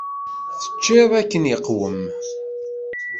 Teččiḍ akken iqwem?